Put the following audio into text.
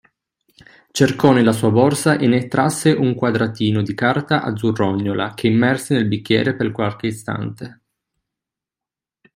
Cercò nella sua borsa e ne trasse un quadratino di carta azzurrognola, che immerse nel bicchiere per qualche istante.